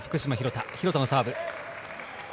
廣田のサーブ。